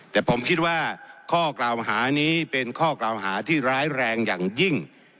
แต่ผมคิดว่าข้อกล่าวหานี้เป็นข้อกล่าวหาที่ร้ายแรงอย่างยิ่ง